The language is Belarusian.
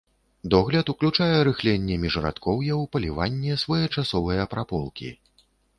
Догляд уключае рыхленне міжрадкоўяў, паліванне, своечасовыя праполкі.